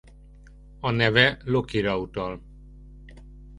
A neve Lokira utal.